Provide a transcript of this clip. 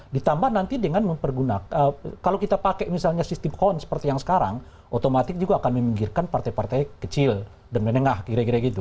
ditambah nanti dengan mempergunakan kalau kita pakai misalnya sistem kont seperti yang sekarang otomatis juga akan meminggirkan partai partai kecil dan menengah kira kira gitu